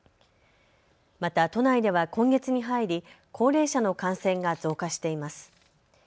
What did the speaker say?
また都内では今月に入り高齢者の感染が増加しています。